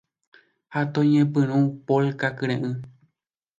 Ha toñepyrũ Polka kyre'ỹ